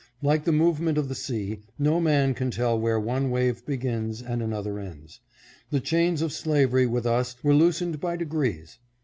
Like the movement of the sea, no man can tell where one wave begins and another ends. The chains of slavery with us were loosened by degrees.